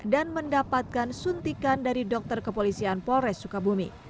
mendapatkan suntikan dari dokter kepolisian polres sukabumi